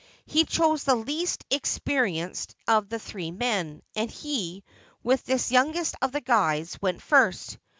He chose the least experienced of the three men, and he, with this youngest of the guides, went first.